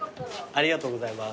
ありがとうございます。